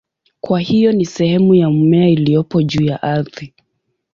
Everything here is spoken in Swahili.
Kwa hiyo ni sehemu ya mmea iliyopo juu ya ardhi.